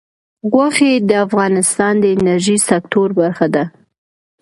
غوښې د افغانستان د انرژۍ سکتور برخه ده.